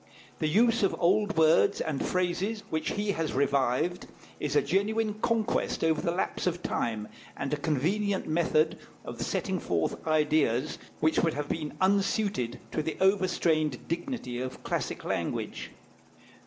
The use of old words and phrases, which he has revived, is a genuine conquest over the lapse of time, and a convenient method of setting forth ideas which would have been unsuited to the over strained dignity of classic language.